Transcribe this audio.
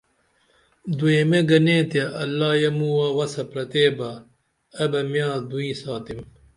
دوئیمہ گنے تے اللہ یے موہ وسہ پرتے بہ ائی بہ میاں دوئیں ساتم